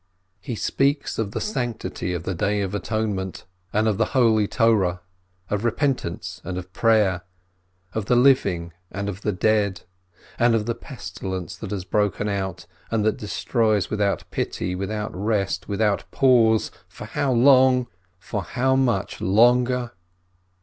He speaks of the sanctity of the Day of Atonement and of the holy Torah; of repentance and of prayer, of the living and of the dead, and of the pestilence that has broken out and that destroys without pity, without rest, without a pause — for how long? for how much longer